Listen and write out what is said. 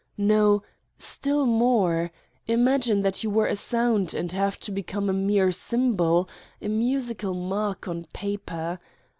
No, still more ! Imagine that yon were a sound and have become a mere symbol a musical mark on paper.